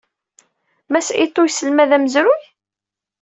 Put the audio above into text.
Mass Ito yesselmad amezruy?